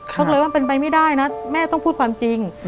เขาก็เลยว่าเป็นไปไม่ได้นะแม่ต้องพูดความจริง